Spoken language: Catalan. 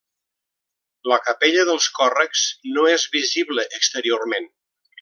La capella dels Còrrecs no és visible exteriorment.